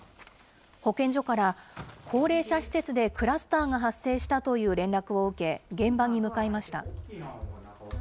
保健所から、高齢者施設でクラスターが発生したという連絡を受け、現場に向かいました。